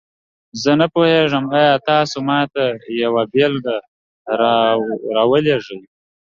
زه نه پوهیږم، آیا تاسو ماته یوه بیلګه راولیږئ؟